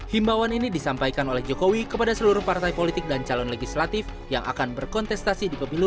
himbawan ini disampaikan oleh jokowi kepada seluruh partai politik dan calon legislatif yang akan berkontestasi di pemilu dua ribu sembilan